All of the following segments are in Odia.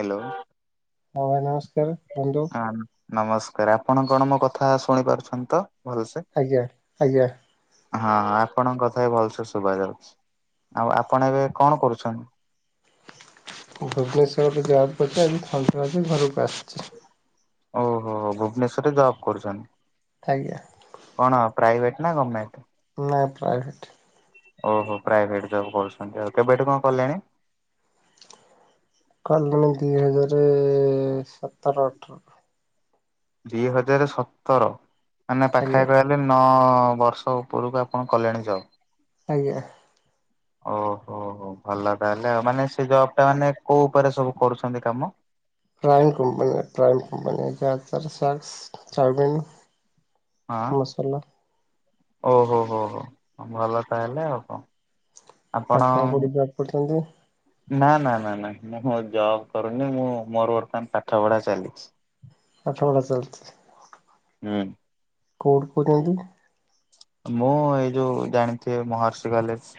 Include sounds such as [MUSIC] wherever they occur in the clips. ହାଲୋ। ସାଙ୍ଗ ନମସ୍କାର, ବନ୍ଧୁ। ହଁ ନମସ୍କାର। ଆପଣ କଣ ମୋ କଥା ଶୁଣି ପାରୁଛନ୍ତି ତ ଭଲସେ? ଆଜ୍ଞା, ଆଜ୍ଞା। ହଁ ଆପଣଙ୍କ କଥା ବି ଭଲସେ ଶୁଭା ଯାଉଛି। ଆଉ ଆପଣ ଏବେ କଣ କରୁଛନ୍ତି? ଭୁବନେଶ୍ୱରରେ ଜବ କରୁଛି। ଆଜି ସନ୍ତବାସ ଘରକୁ ଆସିଛି। ଓହୋ। ଭୁବନେଶ୍ଵରରେ ଜବ୍ କରୁଛନ୍ତି। ଆଜ୍ଞା। କଣ ପ୍ରାଇଭେଟ ନା ଗୋର୍ମେଟ? ନା ପ୍ରଇଭେଟ୍। ଓହୋ। ପ୍ରଇଭେଟ୍ ଜବ୍ କରୁଛନ୍ତି। ଆଉ, କେବେଠୁ କଣ କଲେଣି? କଲିଣି ଦି ହଜାରେ ସତର ଅଠର। ଦି ହଜାରେ ସତର, ମାନେ ପାଖା ଆଜ୍ଞା ପା ହେଲେ ନଅ ବର୍ଷ ଉପରକୁ ଆପଣ କଲେଣି ଯବ୍? ଆଜ୍ଞା। ଓହୋ ହୋ ଭଲ ତାହେଲେ। ଆ ମାନେ ସେ ଜବ୍ ଟା ମାନେ କୋଉ ଉପରେ ସବୁ କରୁଛନ୍ତି କାମ? ପ୍ରାଇମ୍ କମ୍ପନି ପ୍ରାଇମ୍ କମ୍ପନି ଜଦତର ସକ୍ସ ଚାଉବିିନ୍ ହଁ। ଓହୋ, ହୋ- ହୋ ଭଲ ତାହଲେ ଆଉ କଣ। ଆପଣ କୋଉଠି ଜବ୍ କରୁଛନ୍ତି? ନା ନା ନା ନା। ମୁଁ ଜବ୍ କରୁନି। ମୁଁ ମୋର ବର୍ତ୍ତମାନ ପାଠ ପଢ଼ା ଚାଲିଛି। ପାଠ ପଢା ଚାଲିଛି। ହୁଁ କୋଉଠି କହୁଛନ୍ତି? ମୁଁ ଏଇ ଯୋଉ ଜାଣିଥିବେ ମହର୍ଷି କଲେଜ୍।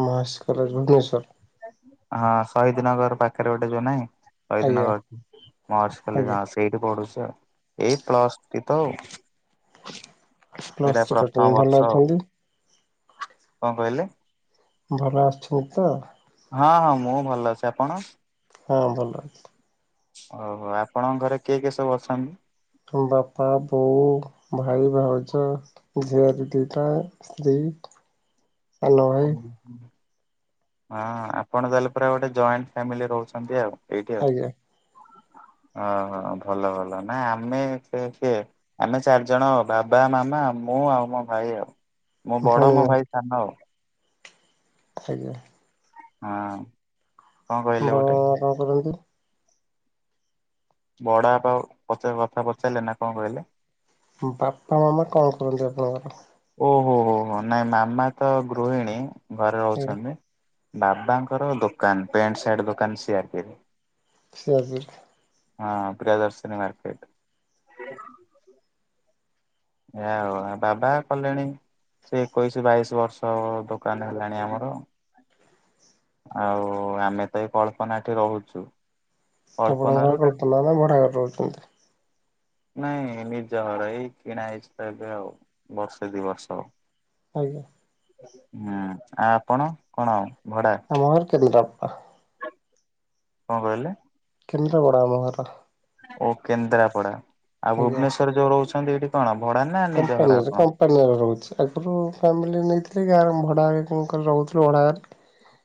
ମର୍ସ କଲେଜ୍ ଭୁବନେଶ୍ୱର। ହଁ ଶହୀଦି ନଗର୍ ପାଖରେ ଗୋଟେ ଯୋଉ ନାହିଁ? ଶହୀଦିନ ଆଜ୍ଞା ମର୍ଷ କଲେଜ୍ ଆଜ୍ଞା। ମ ସେଇଠି ପଢୁଛି ଆଉ। ଏଇ ପ୍ଲଷ୍ ଥ୍ରୀ ତ ଆଉ। ପ୍ଲସ୍ ଏଇଟା ଥ୍ରୀ ପ୍ରଥମ କରିଛନ୍ତି ଭଲ ବର୍ଷ। ଅଛନ୍ତି କଣ କହିଲେ? ଭଲ ଅଛନ୍ତି ତ? ହଁ ହଁ। ମୁଁ ଭଲ ଅଛି। ଆପଣ? ହଁ ଭଲ ଅଛି। ଓହୋ। ଆପଣଙ୍କ ଘରେ କିଏ କିଏ ସବୁ ଅଛନ୍ତି? ତମ ବାପା, ବୋଉ, ଭାଇ, ଭାଉଜ ଝିଆରୀ ଦିଟା, ସ୍ତ୍ରୀ ହଁ ସାନ ଭାଇ ହଁ ଆପଣ ତାହେଲେ ପୁରା ଗୋଟେ ଜଏଣ୍ଟ ଫ୍ୟାମିଲି ରହୁଛନ୍ତି ଆଉ। ଏଇଠି ଆଉ। ଆଜ୍ଞା ହଁ ଭଲ, ଭଲ ନା ଆମେ ଏଠି ଆମେ ଚାରି ଜଣ। ବାବା, ମାମା ମୁଁ ଆଉ ମୋ ଭାଇ ଆଉ। ମୁଁ ବଡ ଭଉଣୀ ମୋ ନାହିଁ ଭାଇ ସାନ ଆଉ। ଆଜ୍ଞା। ହଁ। କଣ କହିଲେ ଆପଣ ଗୋଟେ କଣ କରନ୍ତି? ବଡ଼ ବାପା, ପଚାର ଲେନା, ବାପା ପଚାରିଲେ ନା କଣ କହିଲେ? ବାପା ମାମା କଣ କରନ୍ତି, ଆପଣଙ୍କର? ଓ ହୋ, ହୋ, ହୋ। ନାଇଁ ମାମା ତ ଗୃହିଣୀ ଘରେ ଆଜ୍ଞା ରହୁଛନ୍ତି। ବାବାଙ୍କର ଦୋକାନ, ପ୍ୟାଣ୍ଟ ସାର୍ଟ ଦୋକାନ ସିଆଡେ। ସେ ଆଜି ହଁ ପ୍ରିୟ ଦର୍ଶିନୀ ମାର୍କେଟ୍। ହଁ। ଆଉ ବାବା କଲେଣି ସେ ଏକୋଇଶି ବାଇଶି ବର୍ଷ ଦୋକାନ ହେଲାଣି ଆମର। ଆଉ ଆମେ ତ ଏଇ କଳ୍ପନାଠି ରହୁଛୁ। କଳ୍ପନା ଆପଣଙ୍କର ରୁ କଳ୍ପନା ନା ଭଡାଘରେ ରହୁଛନ୍ତି। ନାଇଁ ନିଜ ଘର ଏଇ କିଣା ହେଇଛି ତ ଏବେ ଆଉ ବର୍ଷେ ଦି ବର୍ଷ ଆଉ। ଆଜ୍ଞା। ହୁଁ ଆଉ ଆପଣ କଣ ଭଡା? ଆମ ଘରେ କେନ୍ଦ୍ରାପଡା। କଣ କହିଲେ? କେନ୍ଦ୍ରାବଡ଼ା ଆମ ଘର। ଓ କେନ୍ଦ୍ରାପଡା ଆଉ ଭୁବନେଶ୍ୱରରେ ଯୋଉ ରହୁଛନ୍ତି ଏଇଠି କଣ ଭଡାନା କମ୍ପନୀ ଏଟା କମ ପାନିଆରେ ରହୁଛି ଆଗରୁ ଫ୍ୟାମିଲି ନେଇଥିଲି ଗାଁରେ ଭଡ଼ା [UNINTELLIGIBLE] କରି ରହୁଥିଲୁ ଭଡ଼ା ଘରେ।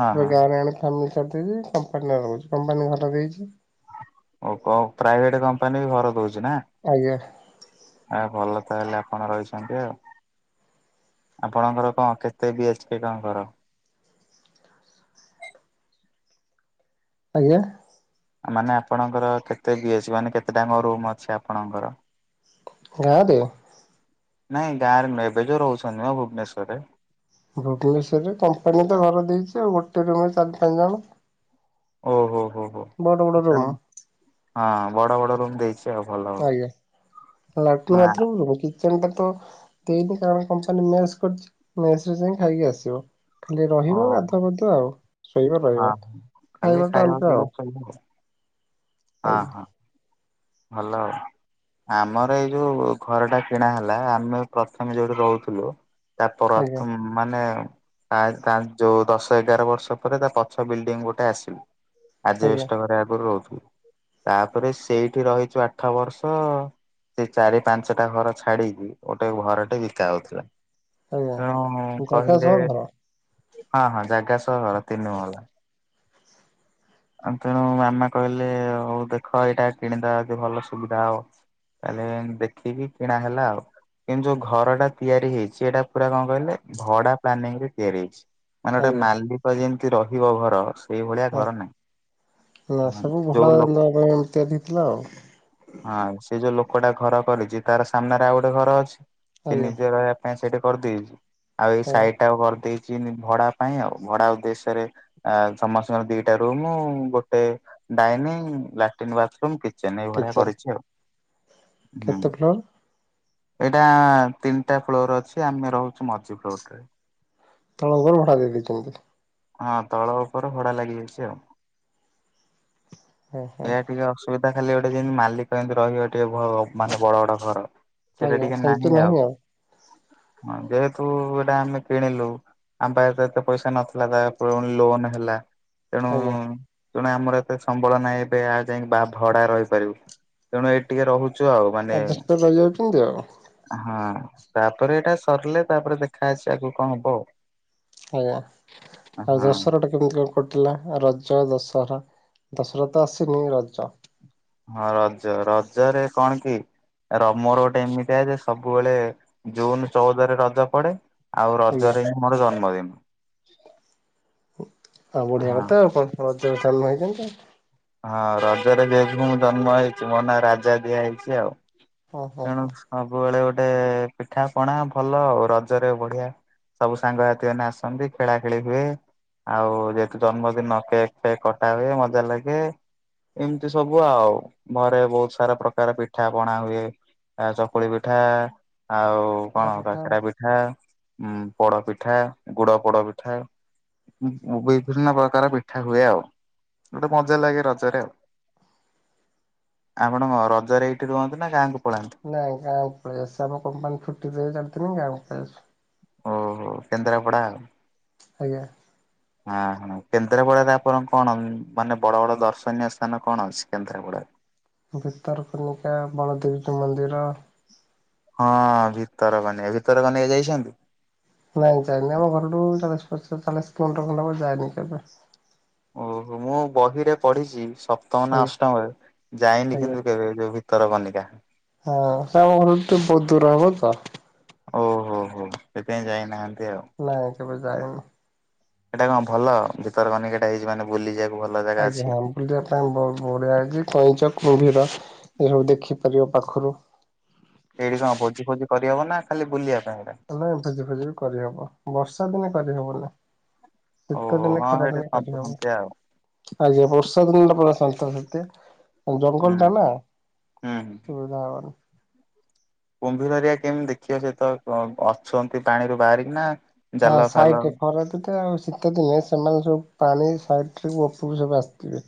ହଁ ହଁ ଗାଁରେ ଆଣି ଫାମିଲି ସାରିଦେଇଛି କମ୍ପାନୀରେ ରହୁଚୁ କମ୍ପାନୀ ଘର ଦେଇଛି। ଓ କ ପ୍ରାଇଭେଟ କମ୍ପାନୀ ବି ଘର ଦଉଛି ନା। ଆଜ୍ଞା। ଆ ଭଲ ତା ହେଲେ ଆପଣ ରହିଛନ୍ତି ଆଉ। ଆପଣଙ୍କ ଘର କଣ କେତେ ବିଏଚ୍ପି କଣ ଘର। ଆଜ୍ଞା। ମାନେ ଆପଣଙ୍କର କେତେ ବିଏଚ୍ ମାନେ କେତେ ଟା ଆଙ୍କ ରୁମ୍ ଅଛି ଆପଣଙ୍କର? ଗାଁ ଦେ। ନାଇଁ ଗାଁରେନୁହେଁ ଏବେ ଯେଉଁ ରହୁଚନ୍ତି ମ ଭୁବନେଶ୍ୱରରେ। ଭୁବନେଶ୍ୱରରେ କମ୍ପାନୀ ତ ଘର ଦେଇଛି ଆଉ ଗୋଟେ ରୁମେ ଚାରି ପାଞ୍ଚ ଜଣ। ଓହୋ ହୋ ହୋ ବଡ ବଡ ରୁମ୍ ହଁ ବଡ ବଡ ରୁମ ଦେଇଛି। ଆଉ ଭଲ ହଉ ଆଜ୍ଞା ଲାଟିନ ବାର୍ଥ ରୁମ୍ ନୁହଁ କି? [UNINTELLIGIBLE] ଦେଇନି କାରଣ କପାନୀ ମେସ୍ କାରିଚି ମେସ୍ରେ ଯାଇ କି ଖାଇକି ଆସିବ। ଖାଲି ହଁ ରହିବ ଓହୋ ଗାଧୁଆ ପାଧୁଆ ଆଉ ଶୋଇବ ହଁ। ରଇବ ଖାଲି ଖାଇବାଟା ଖାଇବା ଅଲ୍ଗା ଆଉ। ପିଇବା ହଁ ହଁ ଆଜ୍ଞା ଭଲ ଆଉ। ଆମର ଏଇ ଯୋଉ ଘରଟା କିଣା ହେଲା ଆମେ ପ୍ରଥମେ ଯୋଉଠି ରହୁଥୁଲୁ ଆଜ୍ଞା ତାପରତ୍ ମାନେ ତା ତା ଯୋଉ ଦଶ ଏଗାର ବର୍ଷ ପରେ ତା ପଛ ବିଲ୍ଡିଙ୍ଗ ଗୋଟେ ଆସିଲୁ। ଆଜ ଆଜ୍ଞା ବେଷ୍ଟ ଙ୍ଘରେ ଆଗରୁ ରହୁଥୁଲୁ ତାପରେ ସେଇଠି ରହିଛୁ ଆଠ ବର୍ଷ। ସେଇ ଚାରି ପାଞ୍ଚଟା ଘର ଛାଡିକି ଗୋଟେ ଘରଟେ ବିକା ହଉଥିଲା। ଆଜ୍ଞା ତେଣୁ ଜାଗା କହିଲେ ସହ ଘର ହଁ ହଁ ଜାଗା ସହ ଘର ତିନି ମହଲା। ଆ ତେଣୁ ମାମା କହିଲେ ହଉ ଦେଖ ଏଇଟା କିଣି ଦେବା ଭଲ ସୁବିଧା ହବ। ତାନେ ଦେଖିକି କିଣା ହେଲା ଆଉ। କିନ୍ତୁଯୋଉ ଘରଟା ତିଆରି ହେଇଛି ଏଇଟା ପୁରା କଣ କହିଲେ ଭଡା ପ୍ଲାନିଂ ରେ ତିଆରି ହେଇଛି। ମାନେ ଗୋଟେ ଆଜ୍ଞା ମାଲିକ ଯେମିତି ରହିବ ଘର ସେଇଭଳିଆ ହଁ ଘର ନାହିଁ। ନା ସବୁ ଘଡା ଯୋଉ ଲୋକ [UNINTELLIGIBLE] ତିଆରି ହେଇଥିଲା ଆଉ। ହଁ ସେ ଯୋଉ ଲୋକଟା ଘର କରିଛି ତାର ସାମ୍ନାରେ ଆଉ ଗୋଟେ ଘର ଅଛି ସେ ଆଜ୍ଞା ନିଜେ ରହବା ପାଇଁ ସେଇଟି କରିଦେଇଚି ଆଉ ଏଇ ଆଜ୍ଞା ସେଇଟା କରିଦେଇଛି। ଜିନି ଭଡା ପାଇଁ ଆଉ ଭଡା ଉଦ୍ଦେଶ୍ୟରେ ଆ ସମସ୍ତଙ୍କର ଦିଟା ରୁମ ଗୋ ଟେ ଡାଇନିଂ ଲାଟ୍ରନ୍ ବାଥରୁମ କିଚେନ୍ ଏଇଭଳିଆ କରିଛି ଆଉ। ହୁଁ। କେତେକ ଫ୍ଲୋର? ଏଇଟା ତିନୀଟା ଫ୍ଲୋର ଅଛି ଆମେ ରହୁଛୁ ମଝି ଫ୍ଲୋର ଟାରେ। ତଳ ଙ୍ଘର ଭଡା ଦେଇି ଦେଇଚନ୍ତି? ହଁ ତଳ ଉପର ଭଡା ଲାଗି ଯାଇଛି ଆଉ। ହଁ ହଁ ଏଇଆ ଟିକେ ଅସୁବିଧା ଖାଲି ଗୋଟେ ଯେମତି ମାଲିକ ଯେମିତି ରହିବ ଟିକେ ଭ ମାନେ ବଡ ବଡ ଘର। ସେଟା ଟିକେ ନାହିଁ ଆଉ ହ ଯେହେତୁ ଏଟା ଆମେ କିଣିଲୁ ଆମ ପାଖରେ ତ ଏତେ ପଇସା ନଥିଲା ତା ପୁଣି ଲୋନ୍ ହେଲା ତେଣୁ ଆଜ୍ଞା ତେଣୁ ଆମର ଏତେ ସମ୍ବଳ ନାହିଁ। ଯାଇକି ବା ଭଡା ରହିପାରିବୁ। ତେଣୁ ଏଇଟି ଟିକେ ରହୁ ଚୁ ଆଉ। ମାନେ ଆଡଜଷ୍ଟ କରି ରହିଯାଉଛନ୍ତି ଆଉ ହଁ। ତାପରେ ଏଇଟା ସରିଲେ ତାପରେ ଦେଖା ଅଛି ଆଗକୁ କଣ ହବ ଆଉ। ଆଜ୍ଞା। ଆଉ ହଁ ଦଶରା ଟେ କେମିତି କଣ କଟିଥିଲା? ରଜ, ଦଶହରା ଦଶହରା ତ ଆସିନି ରଜ ହଁ ରଜ ରଜରେ କଣ କି ର ମୋର ଗୋଟେ ଏମିତିଆ ଯେ ସବୁବେଳେ ଜୁନ ଚଉଦରେ ରଜ ପଡେ। ଆଉ ଆଜ୍ଞା ରଜରେ ହିଁ ମୋର ଜନ୍ମଦିନ। ଆଉ ବଢିଆ ହଁ କଥା ଆଉ କଣ। ରଜରେ ଜନ୍ମ ହେଇଛନ୍ତି ଆଉ। ହଁ ରଜରେ ଯେହେତୁ ମୁଁ ଜନ୍ମ ହେଇଚି, ମୋ ନାଁ ରାଜା ଦିଆ ହେଇଛି ଆଉ। ଓ ହୋ ତେଣୁ ହୋ ସବୁ ବେଳେ ଗୋଟେ ପିଠା ପଣା ଭଲ ଆଉ ରଜରେ ବଢିଆ। ସବୁ ସାଙ୍ଗସାଥି ମାନେ ଆସନ୍ତି ଖେଳା ଖେଳି ହୁଏ। ଆଉ ଯେହେତୁ ଜନ୍ମଦିନ କେକ୍ ଫେକ୍ କଟା ହୁଏ ମଜା ଲାଗେ। ଏମିତି ସବୁ ଆଉ। ଘରେ ବହୁତ ସାରା ପ୍ରକାର ପିଠା ପଣା ହୁଏ। ଆ ଚକୁଳି ପିଠା ଆଉ ପୋଡ କଣ ପିଠା କାକେରା ପି ପିଠା ଉ ପୋଡ ପିଠା ଗୁଡ ପୋଡ ପିଠା ବିଭିନ୍ନ ପ୍ରକାର ପିଠା ହୁଏ ଆଉ। ଗୋଟେ ମଜା ଲାଗେ। ରଜରେ ଆଉ। ଆପଣ ରଜରେ ଏଇଠି ରୁହନ୍ତୁ ନା ଗାଁକୁ ପଳାନ୍ତି? ନାଇଁ ଗାଁକୁ ପଳେଇ ଆସିଚି। ଆମ କମ୍ପାନୀ ଛୁଟିଥିଲା ଚାରିଦିନି ଗାଁକୁ ପଳେଇ ଆସିଚି। ଓହୋ କେନ୍ଦ୍ରାପଡ଼ା ଆଉ। ଆଜ୍ଞା। ଅ ହଁ। କେନ୍ଦ୍ରାପଡାରେ ଆପଣ କଣ ମାନେ ବଡ ବଡ ଦର୍ଶ ଦର୍ଶନିଅ ସ୍ଥାନ କଣ ଅଛି କେନ୍ଦ୍ରାପଡାରେ? ଭିତରକନିକା, ବଳଦେବଜୀଉ ମନ୍ଦିର ହଁ ଭିତରକନିକା, ଭିତରକନିକା ଯାଇଛନ୍ତି? ନାଇଁ ଯାଇନି। ଆମ ଘରଠୁ ଚାଳିଶ ପଚା ଚାଳିଶ କିଲୋମିଟର ଖଣ୍ଡେ ହବ ଯାଇନି କେବେ। ଓହୋ ମୁଁ ବହିରେ ପଢିଚି ସପ୍ତମ ନା ଆଜ୍ଞା ଅଷ୍ଟମରେ ଯାଇନି ଆଜ୍ଞା କିନ୍ତୁ କେବେ। ଯୋଉ ବି ଭିତରକନିକା। ହଁ ସେ ଆମ ଘର ତ ବହୁତ ଦୂର ହବ ତ। ଓହୋ ହୋ ସେଥିପାଇଁ ଯାଇନାହାନ୍ତି ଆଉ। ନାଇଁ କେବେ ଯାଇନି। ଏଇଟା କଣ ଭଲ? ଭିତରକନିକା ଟା ହେଇଚି ମାନେ ବୁଲି ଯିବାକୁ ଭଲ ଜାଗା ଆଜ୍ଞା ଅଛି? ହଁ ବୁଲିବା ପାଇଁ ବ ବଢ଼ିଆ ହେଇଚି। କଇଁଛ, କୁମ୍ଭୀର ଏସବୁ ଦେଖିପାରିବ ପାଖରୁ। ହେଇଠି କଣ ଭୋଜି ଫୋଜି କରିହବ ନା ଖାଲି ବୁଲିବା ପାଇଁ ହେଇଟା? ନାଇଁ ଭୋଜି ଫୋଜି ବି କରିହବ। ବର୍ଷା ଦିନେ କରିହବନି। ଓହୋ ଶୀତଦିନେ ହଁ ସେଇଠି ଖରାଦିନେ କରିହବ। ସନ୍ତସନ୍ତିଆ ଆଉ ଆଜ୍ଞା। ବର୍ଷା ଦିନ ଟା ପୁରା ସନ୍ତସନ୍ତିଆ, ହୁଁ ଜଙ୍ଗଲ ଟା ନା। ହୁଁ ହୁଁ। ସୁବିଧା ହବନ। କୁମ୍ଭୀର ହେରିଆ କେମିତି ଦେଖିବ ସେ ତ ଅଛନ୍ତି ପାଣିରୁ ବାହାରିକି ନା ହଁ ଜାଲ ଫାଲ ସାଇଟ କର ରେ। [UNINTELLIGIBLE] ଶୀତ ଦିନେ ସେମାନେ ସବୁ ପାଣି ସାଇଟ ରୁ ଉପରକୁ ସବୁ ଆସିଥିବେ।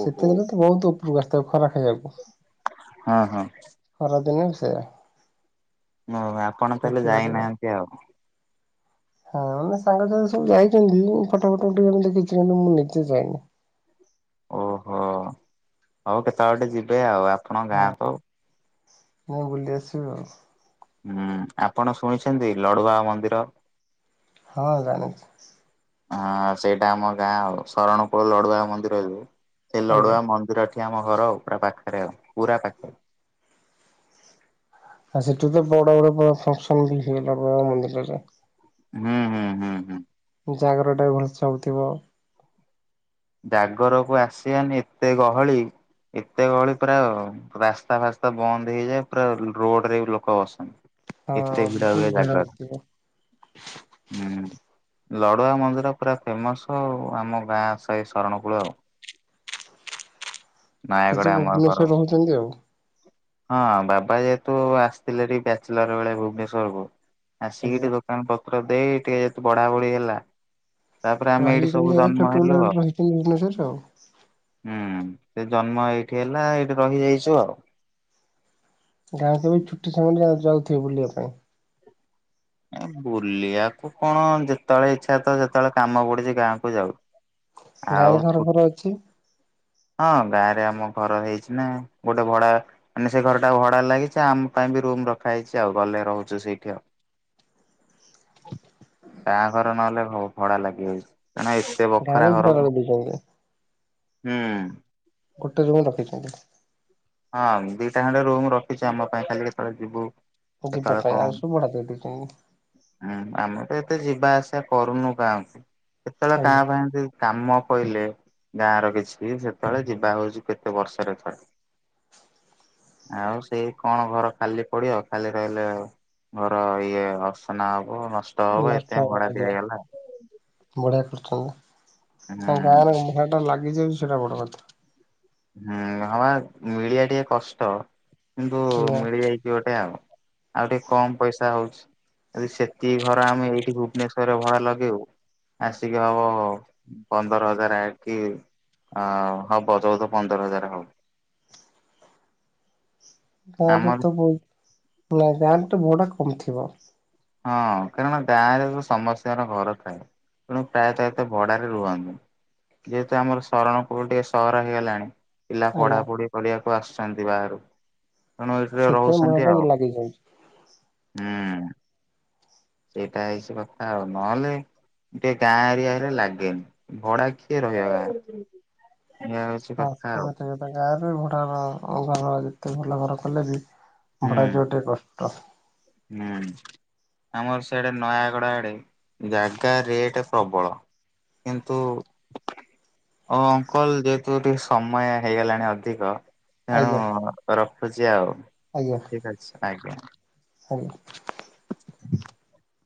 ଶୀତ ଦିନେ ତ ବହୁତ ଉପରକୁ ଆସିଥିବେ ଖରା ଖାଇବାକୁ। ଅ ହଁ। ଖରାଦିନେ ବି ସେଇଆ। [UNINTELLIGIBLE] ଆପଣ ତାହେଲେ ଦେଖିପାରିବ। ଯାଇନାହାନ୍ତି ଆଉ। ହଁ ମାନେ ସାଙ୍ଗ ସାଥୀ ସବୁ ଯାଇଛନ୍ତି। ଫଟୋ ଫଟ [UNINTELLIGIBLE] ମୁଁ ନିଜେ ଯାଇନି। ଓହୋ। ହଉ କେତେବେଳେ ଗୋଟେ ଯିବେ ଆଉ। ଆପଣଙ୍କ ହଁ ଗାଁ କୁ ମୁଁ ବୁଲି ଆସିବୁ ଆଉ। ହୁଁ ଆପଣ ଶୁଣିଛନ୍ତି ଲଡୁଆ ମନ୍ଦିର ହଁ ଜାଣିଛି ହଁ ସେଇଟା ଆମ ଗାଁ ଶରଣକୂଳ ଲଡୁଆ ମନ୍ଦିର ସେ ଆଜ୍ଞା। ଲଡୁଆ ମନ୍ଦିର ଏଠି ଆମ ଘର ପୁରା ପାଖରେ ଆଉ ପୁରା ପାଖରେ ଆ ସେଠୁ ତ ବଡ ବଡ ଫଙ୍କସନ ବି ହିଏ ଲଡ଼ୁବାବା ମନ୍ଦିରରେ ହୁଁ ହୁଁ ହୁଁ ହୁଁ ଜାଗରଟା ବି ଭଲସେ ହେଉଥିବ ଜାଗରକୁ ଆସିବାନି ଏତେ ଗହଳି ଏତେ ଗହଳି ପ୍ରାୟ ରାସ୍ତା ଫାସ୍ତା ବନ୍ଦ ହେଇଯାଏ ପୁରା ରୋଡ ରେ ବି ଲୋକ ବସନ୍ତି। ହଁ ଏତେ ଭିଡ ବହୁତ ହୁଏ ଜାଗର ହଉଥିବ ହୁଁ ଲଡୁଆ ମନ୍ଦିର ପୁରା ଫେମସ ଆଉ ଆମ ଗାଁ। ଏଇ ଶରଣ କୁଳ ଆଉ। ନୟାଗଡ କିନ୍ତୁ ଆମ ଘର ଭୁବନେଶ୍ଵରରେ ରହୁଛନ୍ତି ଆଉ, ହଁ ବାବା ଯେହେତୁ ଆସିଥିଲେ ଏଠି ବ୍ୟାଚଲର ବେଳେ ଭୁବନେଶ୍ୱର କୁ ଆଜ୍ଞା। ଆସିକି ଏଠି- ପତ୍ର ଦେଇ ଟିକେ ବଢାବଢି ହେଲା। ତାପରେ ଆମେ ଏଇଠି ସବୁ ରହିଛନ୍ତି ଜନ୍ମ ହେଲୁ ଛୋଟବେଳେ ଆଉ। ରହିଛନ୍ତି ଭୁବନେଶ୍ୱରରେ ଆଉ ହୁଁ ଜ ଜନ୍ମ ଏଇଠି ହେଲା ଏଇଠି ରହିଯାଇଛୁ ଆଉ। ଗାଁ କେ ବି ଛୁଟି ସମୟରେ ଯା ଯାଉଥିବେ ବୁଲିବା ପାଇଁ। ଏ ବୁଲିବାକୁ କଣ ଯେତେବେଳେ ଇଚ୍ଛା ତ ସେତେବେଳେ କାମ ପଡୁଛି ଗାଁକୁୁ ଯାଉ। ଗାଁରେ ଆଉ ଛୁ ଘର ଘର ଅଛି। ହଁ ଗାଁ ରେ ଆମ ଘର ହେଇଛି ନା ଗୋଟେ ଭଡା ମାନେ ସେ ଘରଟା ଭଡା ଲାଗିଛି ଆମ ପାଇଁ ବି ରୁମ ରଖା ହେଇଛି ଆଉ ଗଲେ ରହୁଛୁ ସେଇଠି ଆଉ ଗାଁ ଘର ନହେଲେ ଭଡା ଲାଗିଯାଇଛି [UNINTELLIGIBLE] ପାଣି ପ୍ରବଳ ଦେଉଛନ୍ତି ହୁଁ ଗୋଟେ ରୁମ ରଖିଛନ୍ତି ହଁ ଦିଟା ଖଣ୍ଡେ ରୁମ ରଖିଛି ଆମ ପାଇଁ ଖାଲି କେତେବେଳେ ଯିବୁ ଯିବା କେତେବେଳେ କଣ ପାଇଁ ଆଉ ସବୁ ଭଢା ଦେଇଦେଇ ଛନ୍ତି ହୁଁ ଆମେ ତ ଏତେ ଯିବା ଆସିବା କରୁନୁ ଗାଁକୁ କେତେବେଳେ ଆଜ୍ଞା କାଁ ଭା ଏମିତି କାମ କହିଲେ ଗାଁ ର କିଛି ସେତେବେଳେ ଯିବା ହଉଛି କେତେ ବର୍ଷରେ ଥରେ ଆଉ ସେଇ କଣ ଘର ଖାଲି ପଡିବ ଖାଲି ରହିଲେ ଆଉ ଘର ଇଏ ଅସନା ହବ ନଷ୍ଟ ହବ ଏତେ ଭଡା ଦିଆ ହେଇଗଲା ବଢିଆ କରୁଛନ୍ତି ତାଙ୍କ ହୁଁ। ଗାଁରେ ଇନଭେଣ୍ଟର ଲାଗିଛି ସେଇଟା ବଡ କଥା ହୁଁ ହବା ମିଳିବା ଟିକେ କଷ୍ଟ କିନ୍ତୁ ଆଜ୍ଞା ମିଳିଯାଇଛି ଗୋଟେ ଆଉ ଆଉ ଟିକେ କମ ପଇସା ହଉଛି ଯଦି ସେତିକି ଘର ଆମେ ଏଇଠି ଭୁବନେଶ୍ୱରରେ ଭଡା ଲଗେଇବୁ ଆସିକି ହବ ପନ୍ଦର ହଜାର ଆକିି ଅ ହବ ଚଉଦ ପନ୍ଦର ହଜାର ହବ ଗାଁରେ ଆମର ତ ବ ନା ଗାଁରେ ତ ଭଡା କମ ଥିବ ହଁ କାରଣ ଗାଁରେ ତ ସମସ୍ତଙ୍କର ଘର ଥାଏ ତେଣୁ ପ୍ରାୟତଃ ଏତେ ଭଡାରେ ରୁହନ୍ତିନି ଯେହେତୁ ଆମର ଶରଣ କୂଳ ଟିକେ ସହର ହେଇଗଲାଣି ପିଲା ଆଜ୍ଞା। ପଢାପଢି କରିବାକୁ ଆସୁଛନ୍ତି ବାହାରୁ ତେଣୁ ଏଥିରେ ସେଥିପାଇଁ ଭଡା ରହୁଛନ୍ତି ଟା ଆଉ ଲାଗିଯାଉଛି। ହୁଁ ସେଇଟା ହେଇଛି କଥା ଆଉ ନହେଲେ ଟିକେ ଗାଁ ଏରିଆ ହେଲେ ଲାଗେନି ଭଡା କିଏ ରହିବ ବା ଏଇ [UNINTELLIGIBLE] ଗାଁରେ ଭଡ଼ା ଘର ଯେତେ ଭଲ ଘର କଲେ ବି ହୁଁ [UNINTELLIGIBLE] କଷ୍ଟ ହୁଁ ଆମର ସେଆଡେ ନୟାଗଡ ଆଡେ ଜାଗା ରେଟ୍ ପ୍ରବଳ କିନ୍ତୁ। ଓ ଅଙ୍କଲ ଯେହେତୁ ଟିକେ ସମୟ ହେଇଗଲାଣି ଅଧିକ ଆଜ୍ଞା ତେଣୁ ରଖୁଛି ଆଉ ଆଜ୍ଞା ଠିକ ଅଛି ଆଜ୍ଞା। [UNINTELLIGIBLE] [INAUDIBLE]